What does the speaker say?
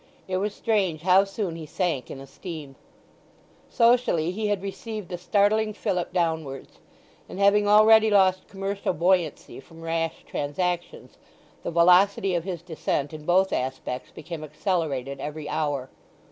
It was strange how soon he sank in esteem. Socially he had received a startling fillip downwards; and, having already lost commercial buoyancy from rash transactions, the velocity of his descent in both aspects became accelerated every hour.